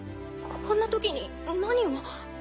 こんなときに何を？